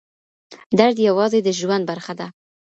درد یوازې د ژوند برخه ده.